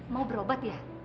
mau berobat ya